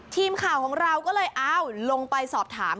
ทีมข่าวของเราก็เลยอ้าวลงไปสอบถาม